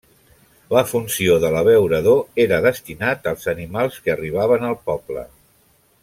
La funció de l'abeurador era destinat als animals que arribaven al poble.